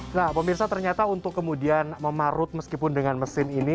nah pemirsa ternyata untuk kemudian memarut meskipun dengan mesin ini